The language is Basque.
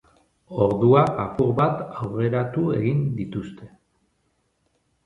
Orduak apur bat aurreratu egin dituzte.